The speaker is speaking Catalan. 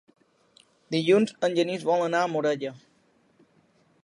Dilluns en Genís vol anar a Morella.